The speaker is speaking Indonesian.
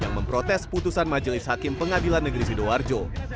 yang memprotes putusan majelis hakim pengadilan negeri sidoarjo